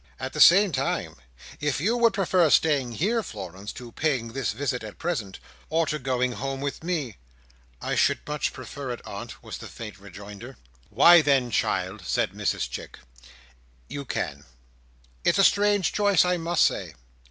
"At the same time, if you would prefer staying here, Florence, to paying this visit at present, or to going home with me—" "I should much prefer it, aunt," was the faint rejoinder. "Why then, child," said Mrs Chick, "you can. It's a strange choice, I must say.